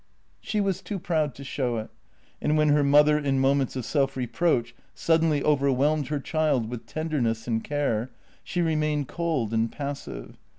She was too proud to show it, and when her mother in mo ments of self reproach suddenly overwhelmed her child with tenderness and care, she remained cold and passive.